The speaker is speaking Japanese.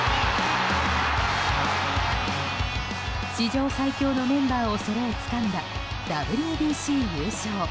史上最強のメンバーをそろえつかんだ、ＷＢＣ優勝。